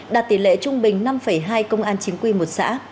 đạt tỷ lệ trung bình năm hai công an chính quy một xã